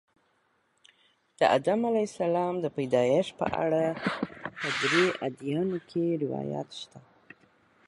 د آدم علیه السلام د پیدایښت په اړه په درې ادیانو کې روایات شته.